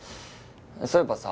そういえばさ